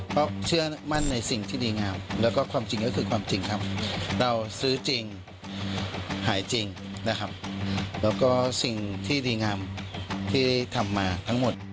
เพราะเชื่อมั่นในสิ่งที่ดีงามแล้วก็ความจริงก็คือความจริงครับเราซื้อจริงหายจริงนะครับแล้วก็สิ่งที่ดีงามที่ทำมาทั้งหมด